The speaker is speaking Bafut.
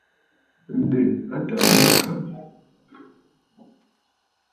Ǹdè à tàrə mâkàbə̀.